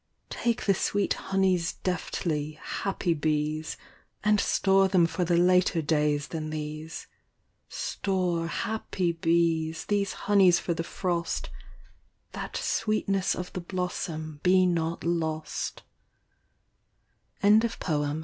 Take the sweet honeys deftly, happy bees, And store them for the later days than these : Store, happy bees, these honeys for the frost, That sweetness of the blossom be not lost THE CORNFLOWER.